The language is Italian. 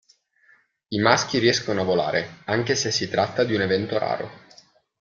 I maschi riescono a volare, anche se si tratta di un evento raro.